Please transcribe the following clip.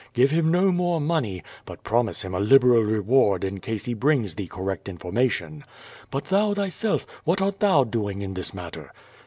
Give him no more money, but pro mise him a liberal reward in case he brings thee correct in formation. But thou thyself, what art thou doing in this matter